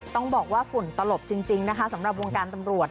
ต้องบอกว่าฝุ่นตลบจริงนะคะสำหรับวงการตำรวจ